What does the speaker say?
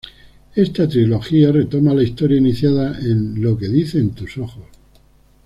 Esta trilogía retoma la historia iniciada en "Lo que dicen tus ojos"-.